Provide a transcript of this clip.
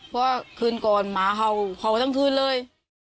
เพราะคืนก่อนหมาเห่าทั้งคืนเลย